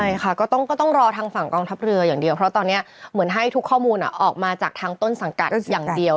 ใช่ค่ะก็ต้องรอทางฝั่งกองทัพเรืออย่างเดียวเพราะตอนนี้เหมือนให้ทุกข้อมูลออกมาจากทางต้นสังกัดอย่างเดียว